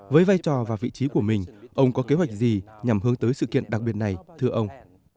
với vai trò và vị trí của mình ông có kế hoạch gì nhằm hướng tới sự kiện đặc biệt này thưa ông